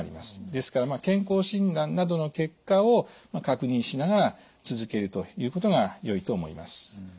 ですから健康診断などの結果を確認しながら続けるということがよいと思います。